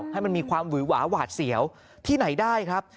ให้มันมีความหวือหวาหวาดเสียวที่ไหนได้ครับ